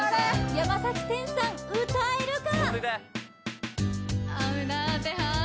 山天さん歌えるか？